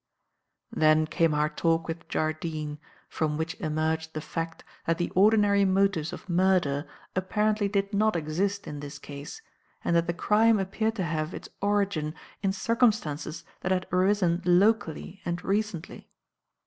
"Then came our talk with Jardine, from which emerged the fact that the ordinary motives of murder apparently did not exist in this case, and that the crime appeared to have its origin in circumstances that had arisen locally and recently.